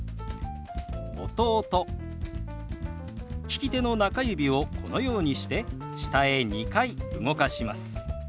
利き手の中指をこのようにして下へ２回動かします。